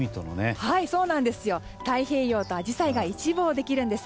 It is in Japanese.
太平洋とアジサイが一望できるんです。